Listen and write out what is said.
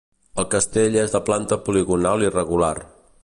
El castell és de planta poligonal irregular.